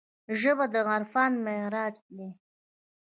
ژبه د عرفان معراج دی